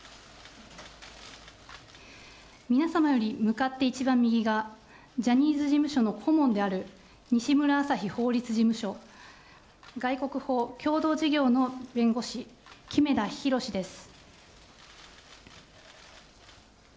皆様より向かって一番右が、ジャニーズ事務所の顧問である、にしむらあさひ法律事務所、外国ほう共同事業の弁護士、木目田裕です。